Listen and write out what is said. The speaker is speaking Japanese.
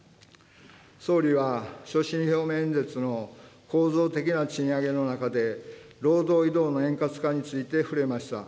総理は所信表明演説の構造的な賃上げの中で、労働移動の円滑化について触れました。